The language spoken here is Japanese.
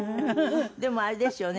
でもあれですよね